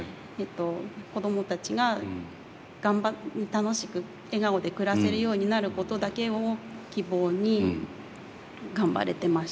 子どもたちが頑張って楽しく笑顔で暮らせるようになることだけを希望に頑張れてましたね。